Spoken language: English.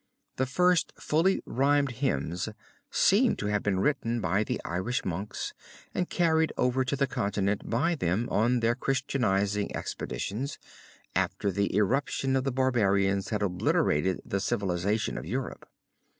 The first fully rhymed hymns seem to have been written by the Irish monks and carried over to the Continent by them on their Christianizing expeditions, after the irruption of the barbarians had obliterated the civilization of Europe.